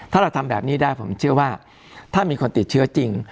ถ้าเราทำแบบนี้ได้ผมเชื่อว่าถ้ามีคนติดเชื้อจริง